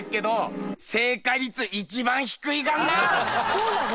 そうなの？